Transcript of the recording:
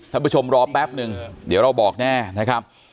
ท่านผู้ชมรอแป๊บนึงเดี๋ยวเราบอกแน่นะครับ